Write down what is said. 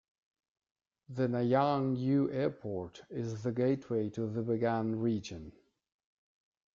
The Nyaung U Airport is the gateway to the Bagan region.